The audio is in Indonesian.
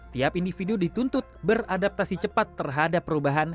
tiap individu dituntut beradaptasi cepat terhadap perubahan